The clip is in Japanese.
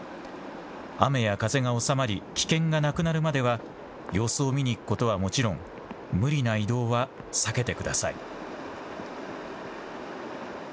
雨や風がおさまり危険がなくなるまでは様子を見に行くことはもちろん無理な移動は避けてください。